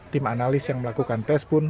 tim analis yang melakukan tes pun